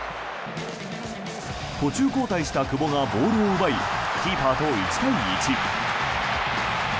途中交代した久保がボールを奪いキーパーと１対１。